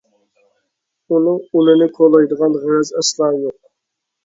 ئۇنىڭ ئۇلىنى كولايدىغان غەرەز ئەسلا يوق.